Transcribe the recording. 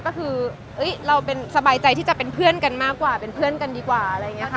ก็คือเราเป็นสบายใจที่จะเป็นเพื่อนกันมากกว่าเป็นเพื่อนกันดีกว่าอะไรอย่างนี้ค่ะ